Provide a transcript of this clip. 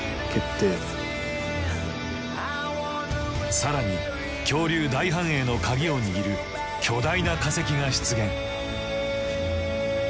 更に恐竜大繁栄の鍵を握る巨大な化石が出現。